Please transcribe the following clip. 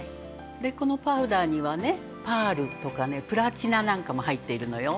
でこのパウダーにはねパールとかねプラチナなんかも入っているのよ。